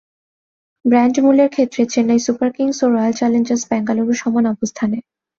Brand মূল্যের ক্ষেত্রে Chennai Super Kings ও রয়্যাল চ্যালেঞ্জার্স বেঙ্গালুরু সমান অবস্থানে।